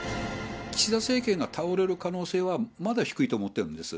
岸田政権が倒れる可能性は、まだ低いと思ってるんです。